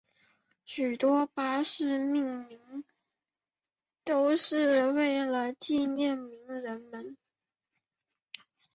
许多巴士的命名都是为了纪念名人们。